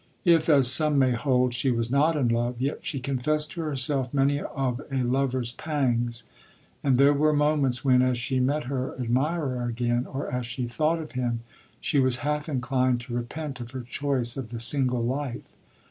If, as some may hold, she was not in love, yet she confessed to herself many of a lover's pangs, and there were moments when, as she met her admirer again, or as she thought of him, she was half inclined to repent of her choice of the single life.